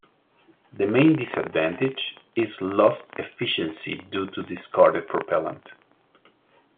The main disadvantage is lost efficiency due to discarded propellant.